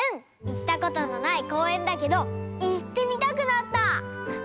いったことのないこうえんだけどいってみたくなった！